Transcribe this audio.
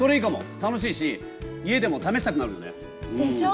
楽しいし家でも試したくなるよね！でしょう？